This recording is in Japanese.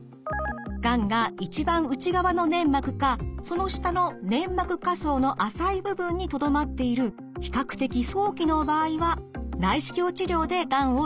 がんが一番内側の粘膜かその下の粘膜下層の浅い部分にとどまっている比較的早期の場合は内視鏡治療でがんを切除します。